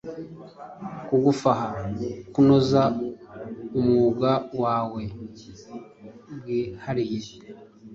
kugufaha kunoza umwuga wawe, bwihariye